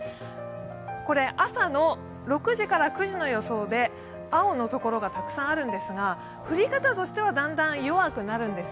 朝の６時から９時の予想で青のところがたくさんあるんですが降り方としては、だんだん弱くなるんです。